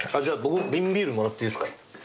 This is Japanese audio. じゃあ僕瓶ビールもらっていいですか？